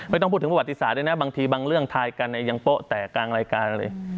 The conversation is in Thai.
ไม่ต้องพูดถึงประวัติศาสตร์ด้วยนะบางทีบางเรื่องทายกันยังโป๊ะแตกกลางรายการเลย